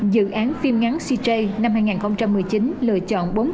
dự án phim ngắn cj năm hai nghìn một mươi chín lựa chọn bốn kịch sử